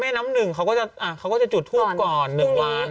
แม่น้ำหนึ่งเขาก็จะอะเขาก็จะจูดทูลก่อนหนึ่งวัน